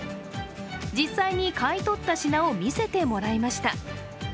実際に買い取った品を見せてもらいました。